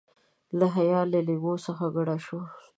له حیا له لیمو څخه کډه شو.